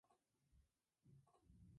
Pronto publicó su primera historia corta.